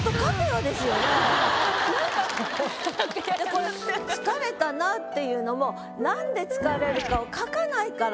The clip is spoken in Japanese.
これ「疲れたなあ」っていうのもなんで疲れるかを書かないから。